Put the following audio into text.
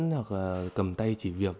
hoặc là cầm tay chỉ việc